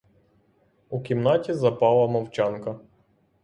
У кімнаті запала мовчанка.